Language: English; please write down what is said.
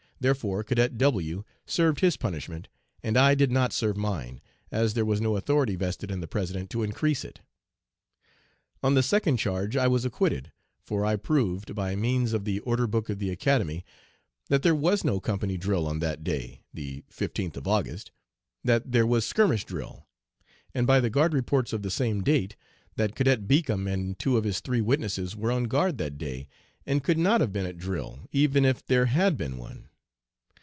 Therefore, Cadet W. served his punishment and I did not serve mine, as there was no authority vested in the President to increase it. "On the second charge I was acquitted, for I proved, by means of the order book of the Academy that there was no company drill on that day the 15th of August that there was skirmish drill, and by the guard reports of the same date, that Cadet Beacom and two of his three witnesses were on guard that day, and could not have been at drill, even if there had been one.